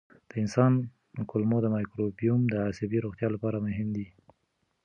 د انسان کولمو مایکروبیوم د عصبي روغتیا لپاره مهم دی.